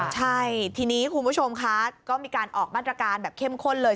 ใช่ทีนี้คุณผู้ชมคะก็มีการออกมาตรการแบบเข้มข้นเลย